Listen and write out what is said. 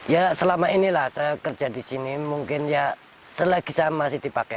ya selama inilah saya kerja di sini mungkin ya selagi saya masih dipakai